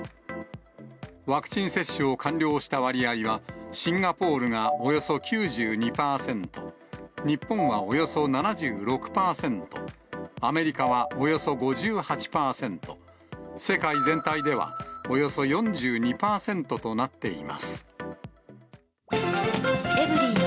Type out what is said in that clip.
ワクチン接種を完了した割合は、シンガポールがおよそ９２％、日本はおよそ７６％、アメリカはおよそ５８％、世界全体ではおよそ４２％となっています。